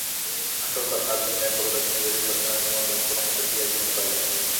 আসল কথা, আজ বিনয় বরদাসুন্দরীর উপাসনার নিমন্ত্রণ কোনোমতে স্বীকার করিতে পারিল না।